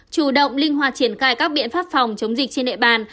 chủ động linh hoạt triển khai các biện pháp phòng chống dịch trên địa bàn